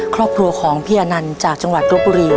ครอบครัวของพี่อนันต์จากจังหวัดรบบุรี